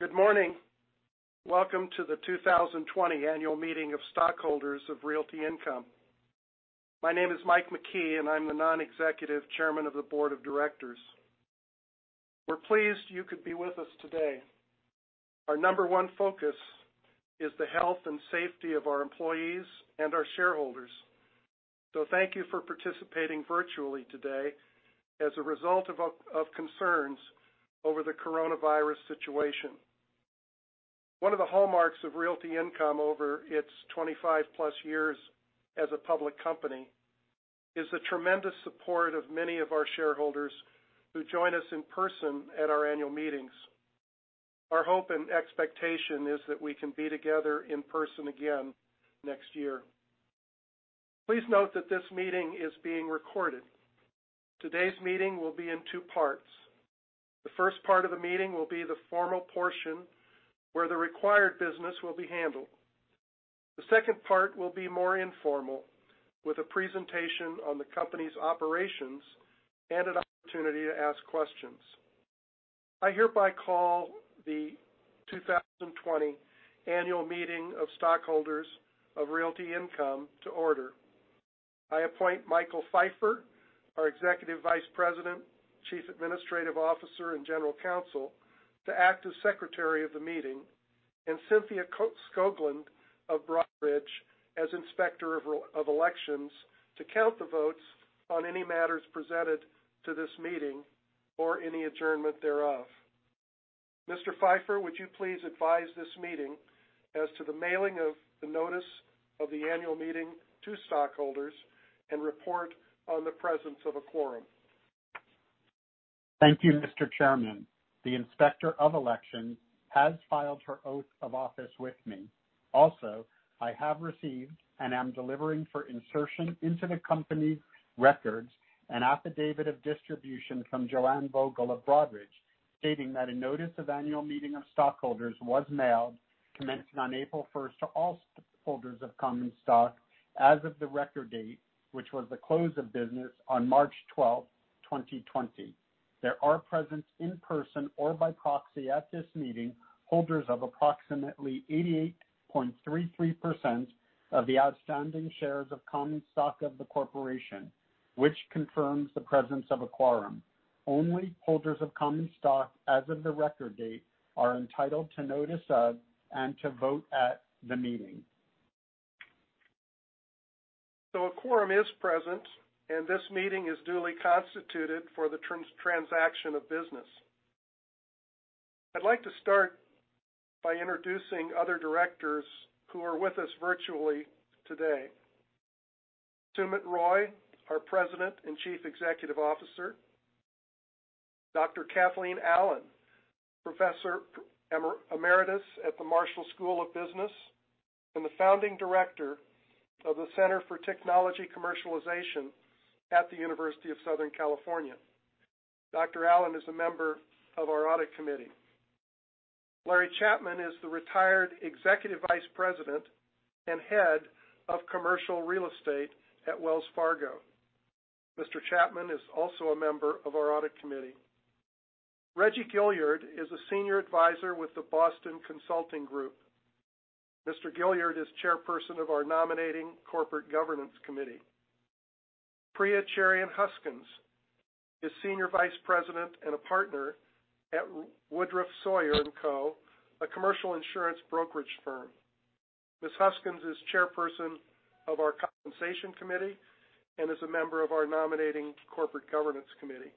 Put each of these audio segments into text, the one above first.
Good morning. Welcome to the 2020 Annual Meeting of Stockholders of Realty Income. My name is Mike McKee, and I'm the Non-Executive Chairman of the Board of Directors. We're pleased you could be with us today. Our number one focus is the health and safety of our employees and our shareholders. Thank you for participating virtually today as a result of concerns over the coronavirus situation. One of the hallmarks of Realty Income over its 25+ years as a public company is the tremendous support of many of our shareholders who join us in person at our annual meetings. Our hope and expectation is that we can be together in person again next year. Please note that this meeting is being recorded. Today's meeting will be in two parts. The first part of the meeting will be the formal portion where the required business will be handled. The second part will be more informal, with a presentation on the company's operations and an opportunity to ask questions. I hereby call the 2020 annual meeting of stockholders of Realty Income to order. I appoint Michael Pfeiffer, our Executive Vice President, Chief Administrative Officer, and General Counsel, to act as secretary of the meeting, and Cynthia Skoglund of Broadridge as inspector of elections to count the votes on any matters presented to this meeting or any adjournment thereof. Mr. Pfeiffer, would you please advise this meeting as to the mailing of the notice of the annual meeting to stockholders and report on the presence of a quorum? Thank you, Mr. Chairman. The inspector of elections has filed her oath of office with me. Also, I have received, and am delivering for insertion into the company records, an affidavit of distribution from Joanne Vogel of Broadridge, stating that a notice of annual meeting of stockholders was mailed, commencing on April 1st, to all stockholders of common stock as of the record date, which was the close of business on March 12th, 2020. There are present in person or by proxy at this meeting, holders of approximately 88.33% of the outstanding shares of common stock of the corporation, which confirms the presence of a quorum. Only holders of common stock as of the record date are entitled to notice of and to vote at the meeting. A quorum is present, and this meeting is duly constituted for the transaction of business. I'd like to start by introducing other directors who are with us virtually today. Sumit Roy, our President and Chief Executive Officer. Dr. Kathleen Allen, professor emeritus at the USC Marshall School of Business and the Founding Director of the USC Marshall Center for Technology Commercialization at the University of Southern California. Dr. Allen is a member of our audit committee. Larry Chapman is the retired executive vice president and head of commercial real estate at Wells Fargo. Mr. Chapman is also a member of our audit committee. Reggie Gilyard is a senior advisor with the Boston Consulting Group. Mr. Gilyard is chairperson of our nominating corporate governance committee. Priya Cherian Huskins is senior vice president and a partner at Woodruff, Sawyer & Co., a commercial insurance brokerage firm. Ms. Huskins is chairperson of our Compensation Committee and is a member of our Nominating Corporate Governance Committee.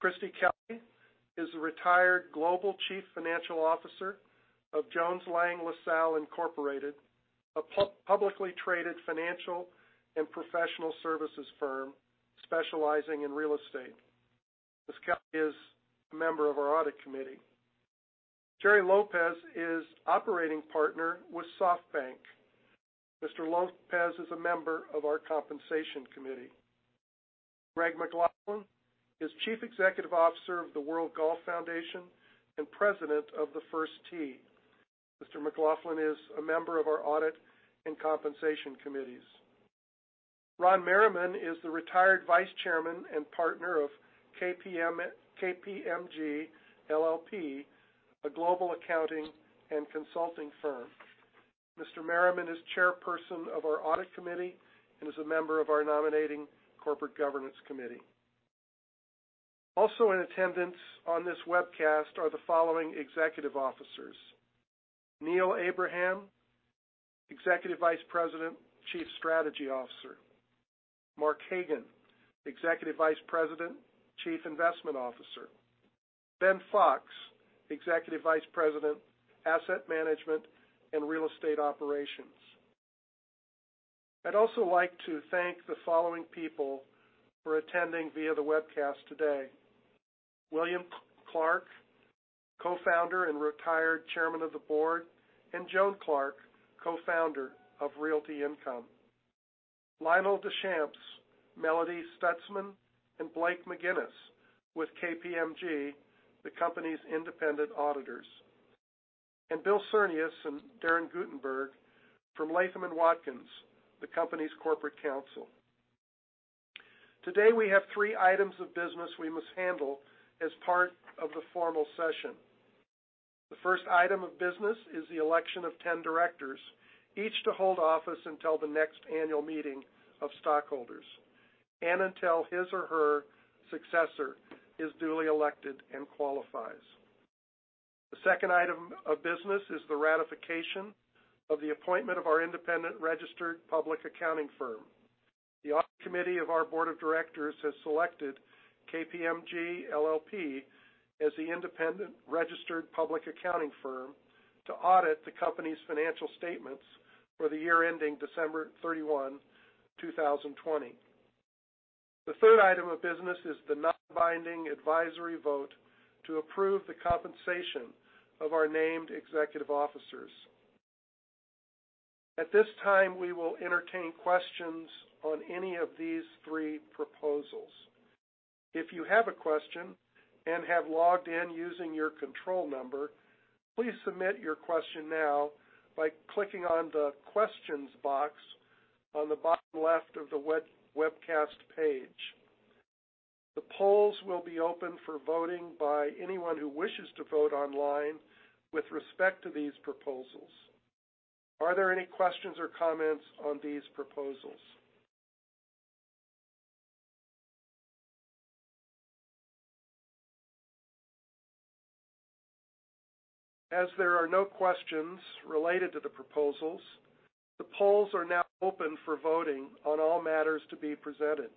Christie Kelly is a retired global chief financial officer of Jones Lang LaSalle Incorporated, a publicly traded financial and professional services firm specializing in real estate. Ms. Kelly is a member of our Audit Committee. Jerry Lopez is operating partner with SoftBank. Mr. Lopez is a member of our Compensation Committee. Greg McLaughlin is chief executive officer of the World Golf Foundation and president of The First Tee. Mr. McLaughlin is a member of our Audit and Compensation Committees. Ron Merriman is the retired vice chairman and partner of KPMG LLP, a global accounting and consulting firm. Mr. Merriman is chairperson of our Audit Committee and is a member of our Nominating Corporate Governance Committee. Also in attendance on this webcast are the following executive officers. Neil Abraham, Executive Vice President, Chief Strategy Officer. Mark Hagan, Executive Vice President, Chief Investment Officer. Ben Fox, Executive Vice President, Asset Management and Real Estate Operations. I'd also like to thank the following people for attending via the webcast today. William Clark, Co-founder and retired Chairman of the Board, and Joan Clark, Co-founder of Realty Income. Lionel Deschamps, Melody Stutzman, and Blake McGinnis with KPMG, the company's independent auditors. Bill Cernius and Darren Guttenberg from Latham & Watkins, the company's corporate counsel. Today we have three items of business we must handle as part of the formal session. The first item of business is the election of 10 directors, each to hold office until the next annual meeting of stockholders and until his or her successor is duly elected and qualifies. The second item of business is the ratification of the appointment of our independent registered public accounting firm. The audit committee of our board of directors has selected KPMG LLP as the independent registered public accounting firm to audit the company's financial statements for the year ending December 31, 2020. The third item of business is the non-binding advisory vote to approve the compensation of our named executive officers. At this time, we will entertain questions on any of these three proposals. If you have a question and have logged in using your control number, please submit your question now by clicking on the questions box on the bottom left of the webcast page. The polls will be open for voting by anyone who wishes to vote online with respect to these proposals. Are there any questions or comments on these proposals? As there are no questions related to the proposals, the polls are now open for voting on all matters to be presented.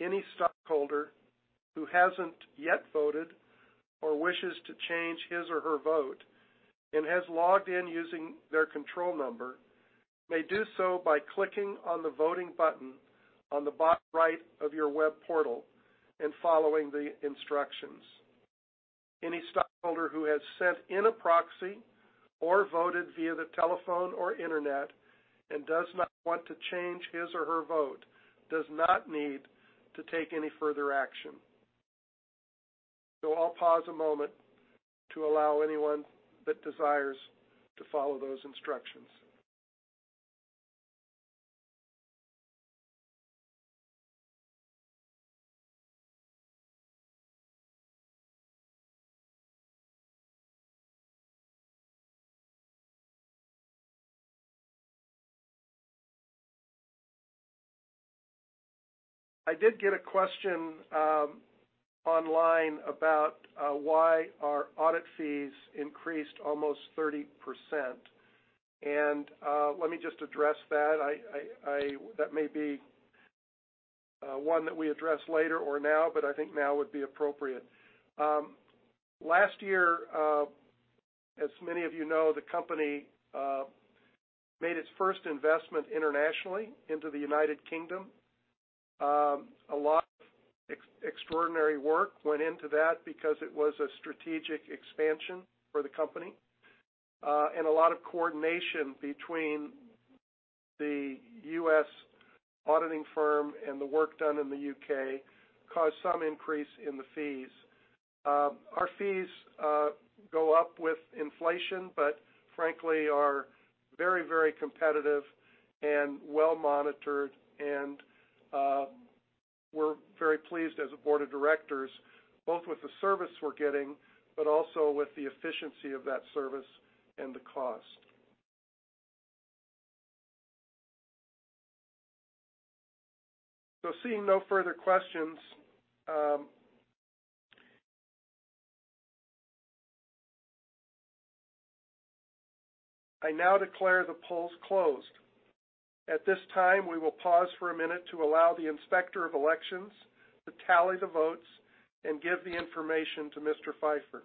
Any stockholder who hasn't yet voted or wishes to change his or her vote and has logged in using their control number may do so by clicking on the voting button on the bottom right of your web portal and following the instructions. Any stockholder who has sent in a proxy or voted via the telephone or internet and does not want to change his or her vote does not need to take any further action. I'll pause a moment to allow anyone that desires to follow those instructions. I did get a question online about why our audit fees increased almost 30%. Let me just address that. That may be one that we address later or now, but I think now would be appropriate. Last year, as many of you know, the company made its first investment internationally into the United Kingdom. A lot of extraordinary work went into that because it was a strategic expansion for the company. A lot of coordination between the U.S. auditing firm and the work done in the U.K. caused some increase in the fees. Our fees go up with inflation, frankly, are very competitive and well-monitored. We're very pleased as a board of directors, both with the service we're getting, but also with the efficiency of that service and the cost. Seeing no further questions, I now declare the polls closed. At this time, we will pause for a minute to allow the Inspector of Elections to tally the votes and give the information to Mr. Pfeiffer.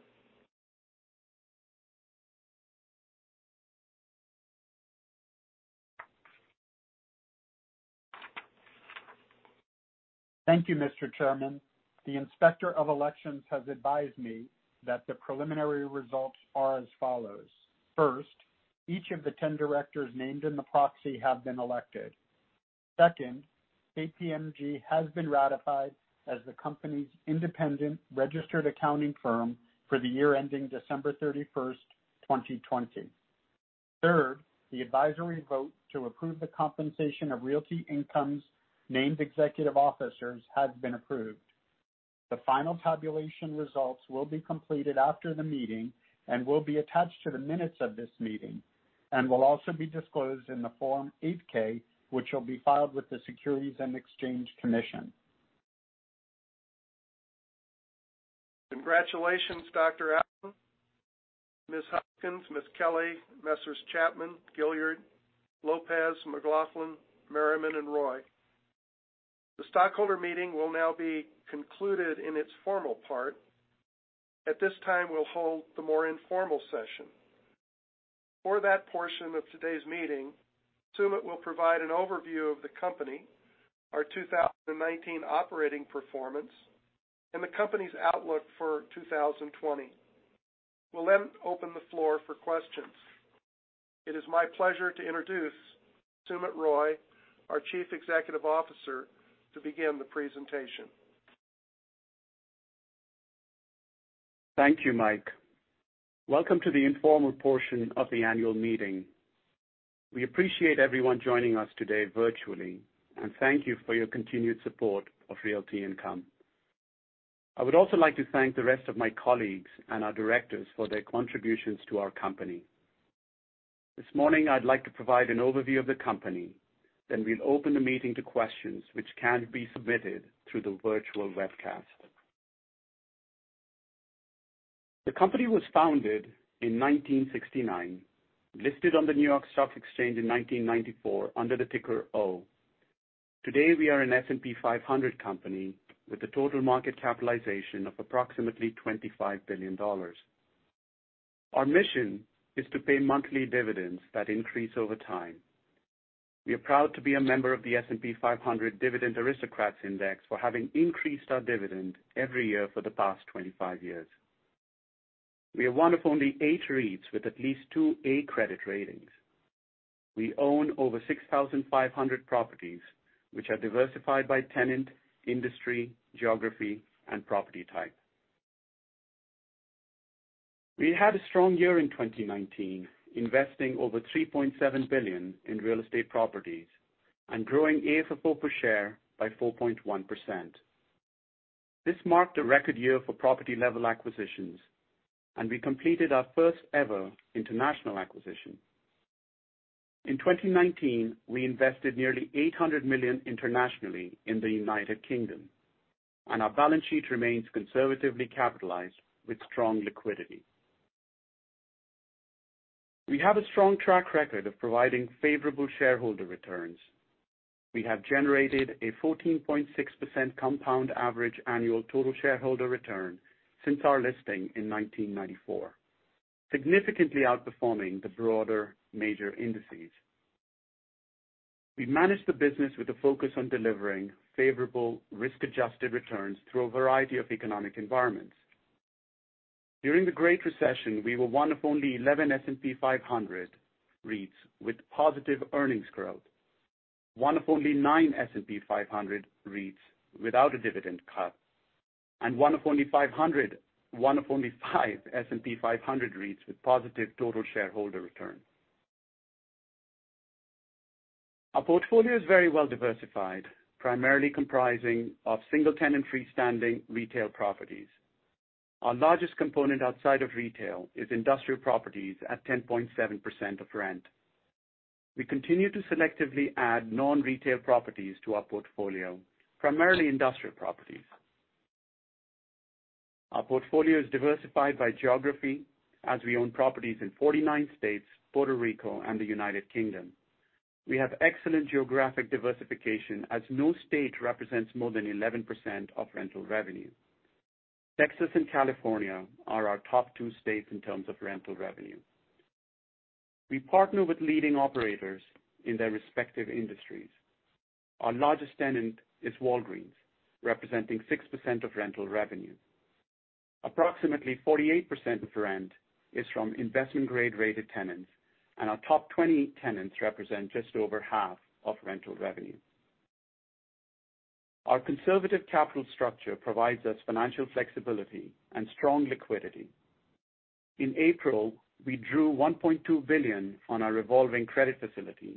Thank you, Mr. Chairman. The Inspector of Elections has advised me that the preliminary results are as follows. First, each of the 10 directors named in the proxy have been elected. Second, KPMG has been ratified as the company's independent registered accounting firm for the year ending December 31st, 2020. Third, the advisory vote to approve the compensation of Realty Income's named executive officers has been approved. The final tabulation results will be completed after the meeting and will be attached to the minutes of this meeting, and will also be disclosed in the Form 8-K, which will be filed with the Securities and Exchange Commission. Congratulations, Dr. Allen, Ms. Huskins, Ms. Kelly, Messrs. Chapman, Gilyard, Lopez, McLaughlin, Merriman, and Roy. The stockholder meeting will now be concluded in its formal part. At this time, we'll hold the more informal session. For that portion of today's meeting, Sumit will provide an overview of the company, our 2019 operating performance, and the company's outlook for 2020. We'll then open the floor for questions. It is my pleasure to introduce Sumit Roy, our Chief Executive Officer, to begin the presentation. Thank you, Mike. Welcome to the informal portion of the annual meeting. We appreciate everyone joining us today virtually, and thank you for your continued support of Realty Income. I would also like to thank the rest of my colleagues and our directors for their contributions to our company. This morning, I'd like to provide an overview of the company, then we'll open the meeting to questions which can be submitted through the virtual webcast. The company was founded in 1969, listed on the New York Stock Exchange in 1994 under the ticker O. Today, we are an S&P 500 company with a total market capitalization of approximately $25 billion. Our mission is to pay monthly dividends that increase over time. We are proud to be a member of the S&P 500 Dividend Aristocrats Index for having increased our dividend every year for the past 25 years. We are one of only eight REITs with at least two A credit ratings. We own over 6,500 properties, which are diversified by tenant, industry, geography, and property type. We had a strong year in 2019, investing over $3.7 billion in real estate properties and growing AFFO per share by 4.1%. This marked a record year for property-level acquisitions, and we completed our first ever international acquisition. In 2019, we invested nearly $800 million internationally in the United Kingdom, and our balance sheet remains conservatively capitalized with strong liquidity. We have a strong track record of providing favorable shareholder returns. We have generated a 14.6% compound average annual total shareholder return since our listing in 1994, significantly outperforming the broader major indices. We managed the business with a focus on delivering favorable risk-adjusted returns through a variety of economic environments. During the Great Recession, we were one of only 11 S&P 500 REITs with positive earnings growth. One of only nine S&P 500 REITs without a dividend cut, and one of only five S&P 500 REITs with positive total shareholder return. Our portfolio is very well diversified, primarily comprising of single-tenant freestanding retail properties. Our largest component outside of retail is industrial properties at 10.7% of rent. We continue to selectively add non-retail properties to our portfolio, primarily industrial properties. Our portfolio is diversified by geography, as we own properties in 49 states, Puerto Rico, and the United Kingdom. We have excellent geographic diversification as no state represents more than 11% of rental revenue. Texas and California are our top two states in terms of rental revenue. We partner with leading operators in their respective industries. Our largest tenant is Walgreens, representing 6% of rental revenue. Approximately 48% of rent is from investment-grade rated tenants, and our top 20 tenants represent just over half of rental revenue. Our conservative capital structure provides us financial flexibility and strong liquidity. In April, we drew $1.2 billion on our revolving credit facility,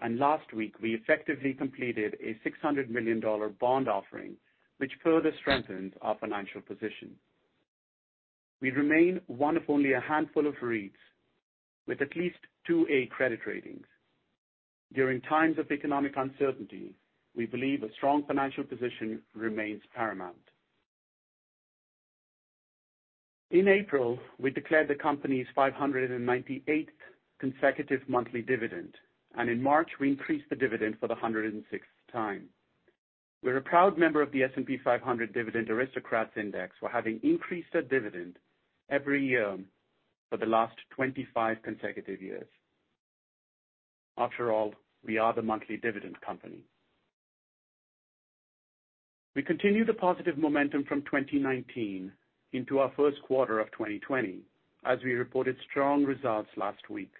and last week, we effectively completed a $600 million bond offering, which further strengthens our financial position. We remain one of only a handful of REITs with at least two A credit ratings. During times of economic uncertainty, we believe a strong financial position remains paramount. In April, we declared the company's 598th consecutive monthly dividend, and in March, we increased the dividend for the 106th time. We're a proud member of the S&P 500 Dividend Aristocrats Index for having increased our dividend every year for the last 25 consecutive years. After all, we are The Monthly Dividend Company. We continue the positive momentum from 2019 into our first quarter of 2020 as we reported strong results last week.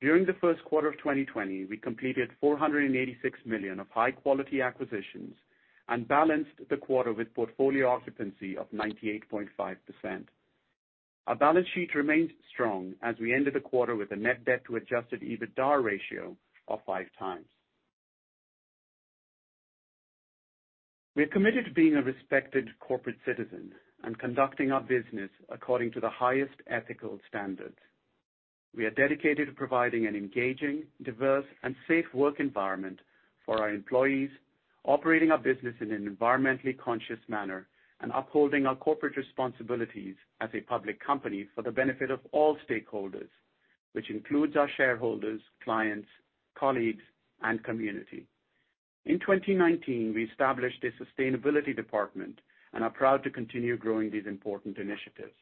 During the first quarter of 2020, we completed $486 million of high-quality acquisitions and balanced the quarter with portfolio occupancy of 98.5%. Our balance sheet remained strong as we ended the quarter with a net debt to Adjusted EBITDA ratio of five times. We are committed to being a respected corporate citizen and conducting our business according to the highest ethical standards. We are dedicated to providing an engaging, diverse, and safe work environment for our employees, operating our business in an environmentally conscious manner, and upholding our corporate responsibilities as a public company for the benefit of all stakeholders, which includes our shareholders, clients, colleagues, and community. In 2019, we established a sustainability department and are proud to continue growing these important initiatives.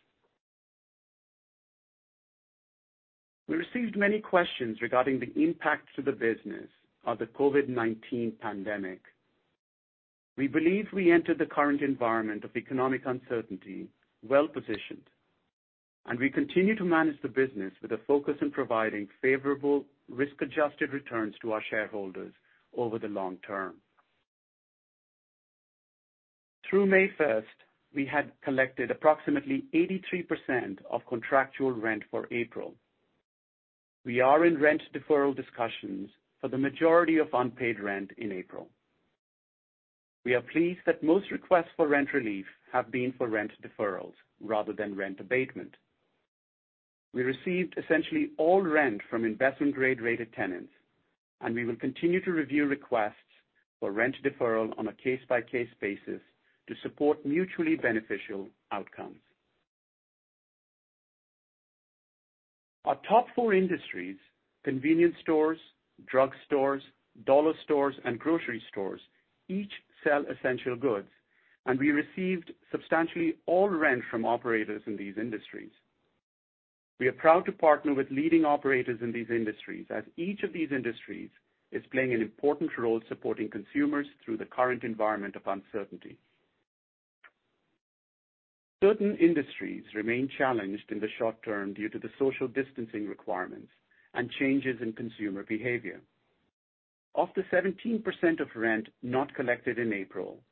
We received many questions regarding the impact to the business of the COVID-19 pandemic. We believe we entered the current environment of economic uncertainty well-positioned. We continue to manage the business with a focus on providing favorable risk-adjusted returns to our shareholders over the long term. Through May 1st, we had collected approximately 83% of contractual rent for April. We are in rent deferral discussions for the majority of unpaid rent in April. We are pleased that most requests for rent relief have been for rent deferrals rather than rent abatement. We received essentially all rent from investment-grade rated tenants. We will continue to review requests for rent deferral on a case-by-case basis to support mutually beneficial outcomes. Our top four industries, convenience stores, drugstores, dollar stores, and grocery stores, each sell essential goods. We received substantially all rent from operators in these industries. We are proud to partner with leading operators in these industries, as each of these industries is playing an important role supporting consumers through the current environment of uncertainty. Certain industries remain challenged in the short term due to the social distancing requirements and changes in consumer behavior. Of the 17% of rent not collected in April,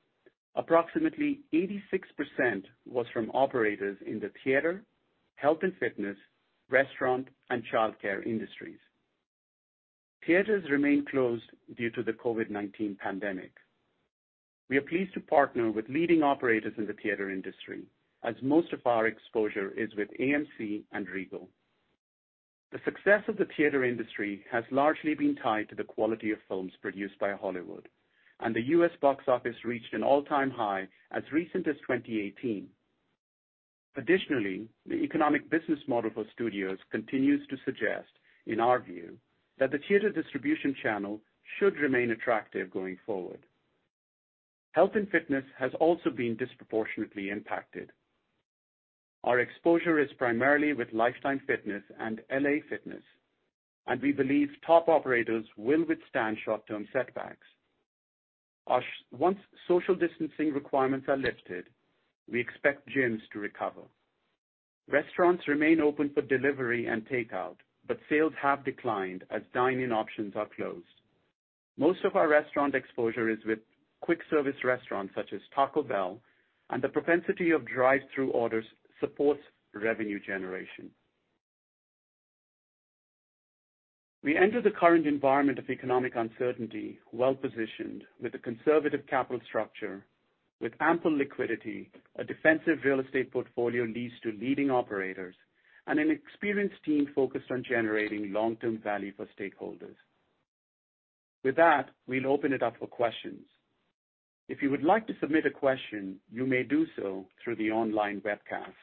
approximately 86% was from operators in the theater, health and fitness, restaurant, and childcare industries. Theaters remain closed due to the COVID-19 pandemic. We are pleased to partner with leading operators in the theater industry, as most of our exposure is with AMC and Regal. The success of the theater industry has largely been tied to the quality of films produced by Hollywood, and the U.S. box office reached an all-time high as recent as 2018. Additionally, the economic business model for studios continues to suggest, in our view, that the theater distribution channel should remain attractive going forward. Health and fitness has also been disproportionately impacted. Our exposure is primarily with Life Time and LA Fitness, and we believe top operators will withstand short-term setbacks. Once social distancing requirements are lifted, we expect gyms to recover. Restaurants remain open for delivery and takeout, but sales have declined as dine-in options are closed. Most of our restaurant exposure is with quick-service restaurants such as Taco Bell, and the propensity of drive-through orders supports revenue generation. We enter the current environment of economic uncertainty well-positioned with a conservative capital structure with ample liquidity, a defensive real estate portfolio, leased to leading operators, and an experienced team focused on generating long-term value for stakeholders. With that, we'll open it up for questions. If you would like to submit a question, you may do so through the online webcast.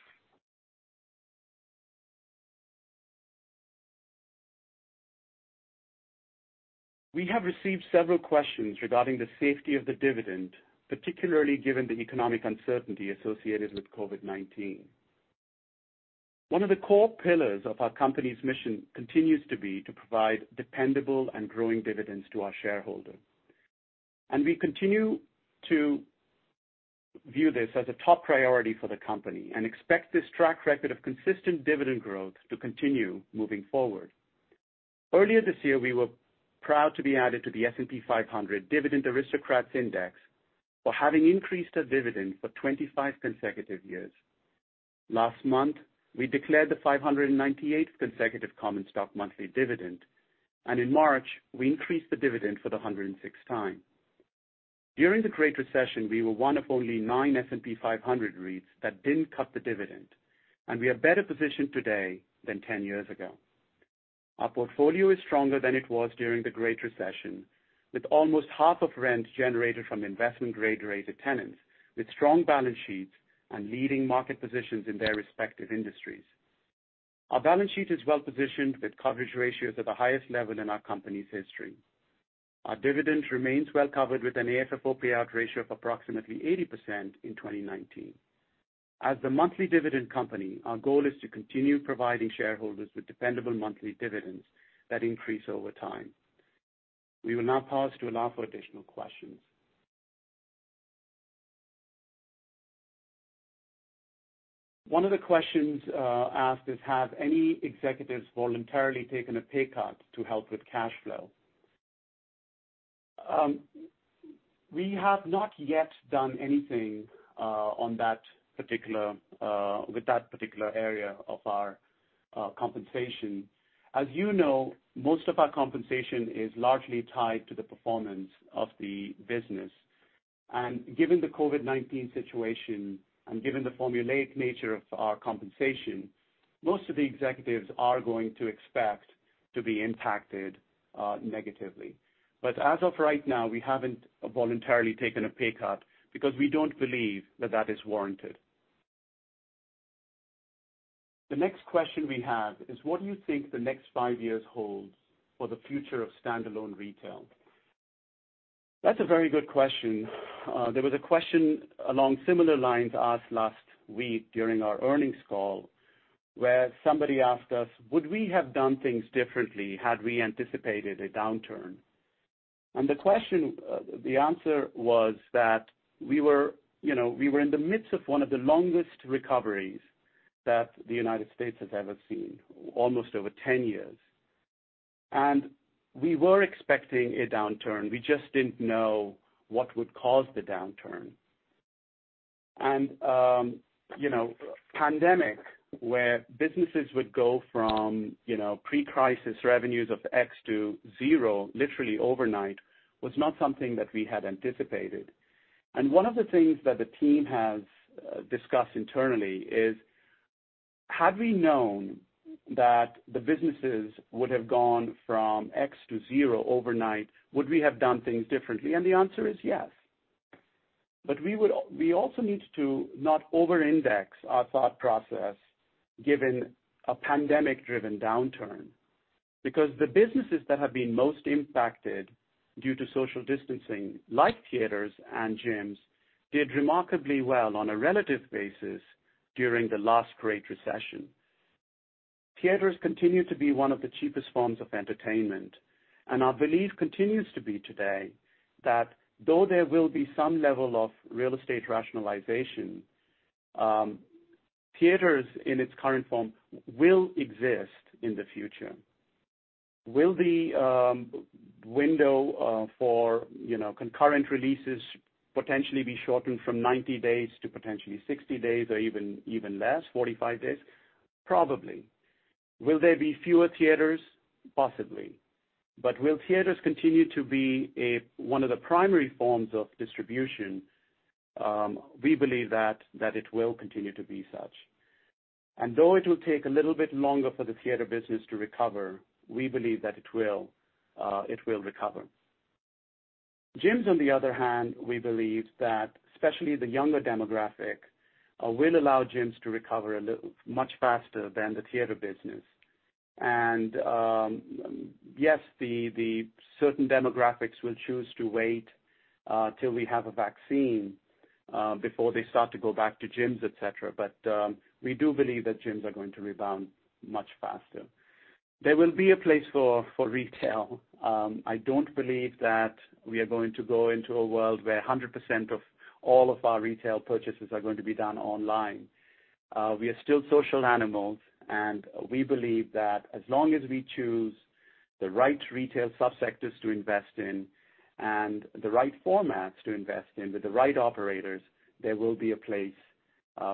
We have received several questions regarding the safety of the dividend, particularly given the economic uncertainty associated with COVID-19. One of the core pillars of our company's mission continues to be to provide dependable and growing dividends to our shareholders. We continue to view this as a top priority for the company and expect this track record of consistent dividend growth to continue moving forward. Earlier this year, we were proud to be added to the S&P 500 Dividend Aristocrats Index for having increased our dividend for 25 consecutive years. Last month, we declared the 598th consecutive common stock monthly dividend, and in March, we increased the dividend for the 106th time. During the Great Recession, we were one of only nine S&P 500 REITs that didn't cut the dividend, and we are better positioned today than 10 years ago. Our portfolio is stronger than it was during the Great Recession, with almost half of rent generated from investment-grade rated tenants with strong balance sheets and leading market positions in their respective industries. Our balance sheet is well-positioned, with coverage ratios at the highest level in our company's history. Our dividend remains well-covered, with an AFFO payout ratio of approximately 80% in 2019. As the monthly dividend company, our goal is to continue providing shareholders with dependable monthly dividends that increase over time. We will now pause to allow for additional questions. One of the questions asked is have any executives voluntarily taken a pay cut to help with cash flow? We have not yet done anything with that particular area of our compensation. As you know, most of our compensation is largely tied to the performance of the business. Given the COVID-19 situation and given the formulaic nature of our compensation, most of the executives are going to expect to be impacted negatively. As of right now, we haven't voluntarily taken a pay cut because we don't believe that that is warranted. The next question we have is what do you think the next five years holds for the future of standalone retail? That's a very good question. There was a question along similar lines asked last week during our earnings call, where somebody asked us, would we have done things differently had we anticipated a downturn? The question, the answer was that we were in the midst of one of the longest recoveries that the United States has ever seen, almost over 10 years. We were expecting a downturn. We just didn't know what would cause the downturn. Pandemic, where businesses would go from pre-crisis revenues of X to zero, literally overnight, was not something that we had anticipated. One of the things that the team has discussed internally is, had we known that the businesses would have gone from X to zero overnight, would we have done things differently? The answer is yes. We also need to not over-index our thought process, given a pandemic-driven downturn. Because the businesses that have been most impacted, due to social distancing, like theaters and gyms, did remarkably well on a relative basis during the last great recession. Theaters continue to be one of the cheapest forms of entertainment. Our belief continues to be today that though there will be some level of real estate rationalization, theaters in its current form will exist in the future. Will the window for concurrent releases potentially be shortened from 90 days to potentially 60 days or even less, 45 days? Probably. Will there be fewer theaters? Possibly. Will theaters continue to be one of the primary forms of distribution? We believe that it will continue to be such. Though it will take a little bit longer for the theater business to recover, we believe that it will recover. Gyms, on the other hand, we believe that, especially the younger demographic, will allow gyms to recover much faster than the theater business. Yes, the certain demographics will choose to wait till we have a vaccine before they start to go back to gyms, et cetera. We do believe that gyms are going to rebound much faster. There will be a place for retail. I don't believe that we are going to go into a world where 100% of all of our retail purchases are going to be done online. We are still social animals, and we believe that as long as we choose the right retail subsectors to invest in and the right formats to invest in with the right operators, there will be a place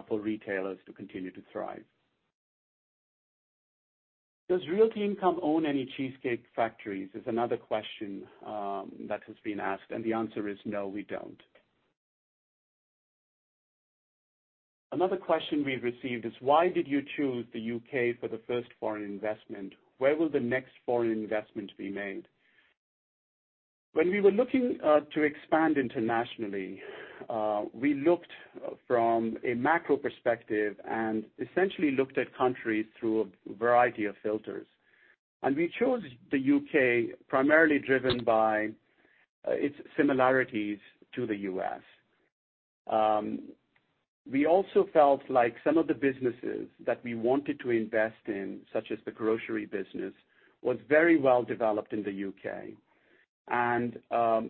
for retailers to continue to thrive. Does Realty Income own any Cheesecake Factories is another question that has been asked. The answer is no, we don't. Another question we've received is why did you choose the U.K. for the first foreign investment? Where will the next foreign investment be made? When we were looking to expand internationally, we looked from a macro perspective and essentially looked at countries through a variety of filters. We chose the U.K. primarily driven by its similarities to the U.S. We also felt like some of the businesses that we wanted to invest in, such as the grocery business, was very well developed in the U.K., and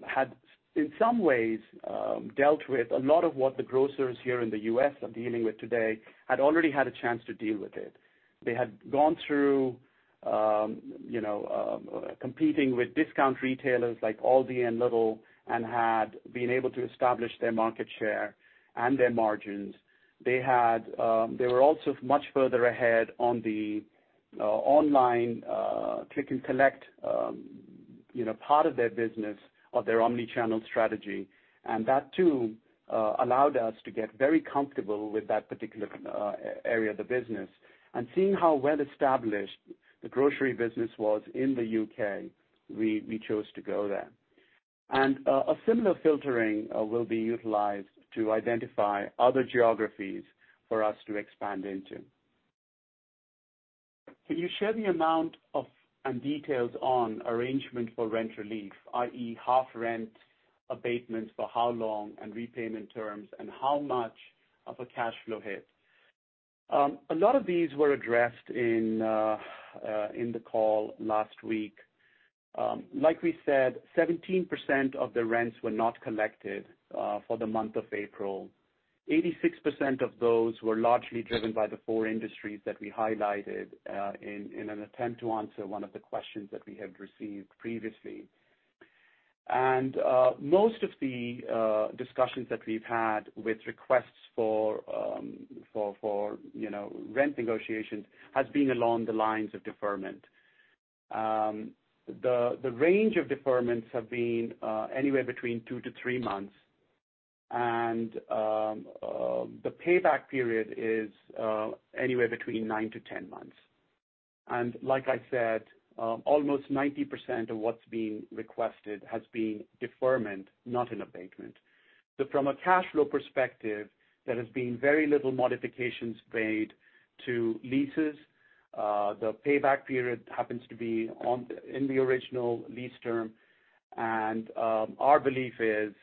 had, in some ways, dealt with a lot of what the grocers here in the U.S. are dealing with today, had already had a chance to deal with it. They had gone through competing with discount retailers like Aldi and Lidl and had been able to establish their market share and their margins. They were also much further ahead on the online click and collect part of their business or their omni-channel strategy. That too allowed us to get very comfortable with that particular area of the business. Seeing how well established the grocery business was in the U.K., we chose to go there. A similar filtering will be utilized to identify other geographies for us to expand into. Can you share the amount of and details on arrangement for rent relief, i.e., half rent abatements for how long and repayment terms, and how much of a cash flow hit? A lot of these were addressed in the call last week. Like we said, 17% of the rents were not collected for the month of April. 86% of those were largely driven by the four industries that we highlighted in an attempt to answer one of the questions that we had received previously. Most of the discussions that we've had with requests for rent negotiations has been along the lines of deferment. The range of deferments have been anywhere between two to three months. The payback period is anywhere between nine to 10 months. Like I said, almost 90% of what's being requested has been deferment, not an abatement. From a cash flow perspective, there has been very little modifications made to leases. The payback period happens to be in the original lease term. Our belief is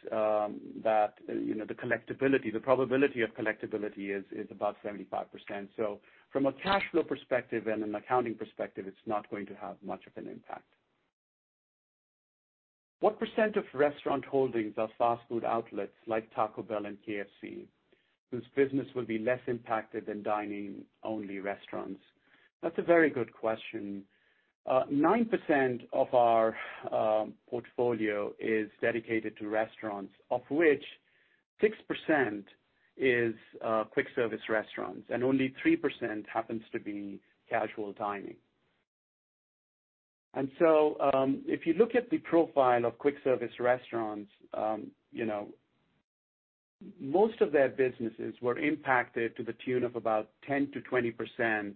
that the collectibility, the probability of collectibility is about 75%. From a cash flow perspective and an accounting perspective, it's not going to have much of an impact. What percent of restaurant holdings are fast food outlets like Taco Bell and KFC, whose business will be less impacted than dining-only restaurants? That's a very good question. 9% of our portfolio is dedicated to restaurants, of which 6% is quick-service restaurants, and only 3% happens to be casual dining. If you look at the profile of quick-service restaurants, most of their businesses were impacted to the tune of about 10%-20%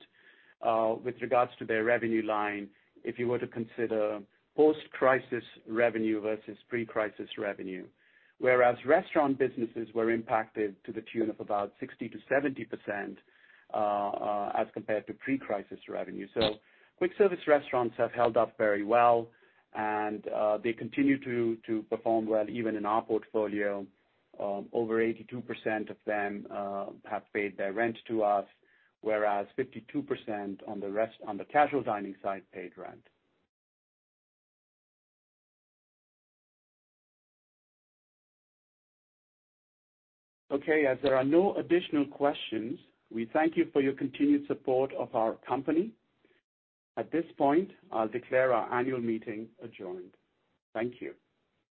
with regards to their revenue line if you were to consider post-crisis revenue versus pre-crisis revenue. Whereas restaurant businesses were impacted to the tune of about 60%-70% as compared to pre-crisis revenue. Quick-service restaurants have held up very well, and they continue to perform well even in our portfolio. Over 82% of them have paid their rent to us, whereas 52% on the casual dining side paid rent. Okay. As there are no additional questions, we thank you for your continued support of our company. At this point, I'll declare our annual meeting adjourned. Thank you.